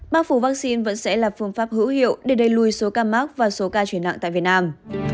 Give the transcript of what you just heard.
bác phủ vaccine vẫn sẽ là phương pháp hữu hiệu để đầy lùi số ca mắc và số ca chuyển nặng tại việt nam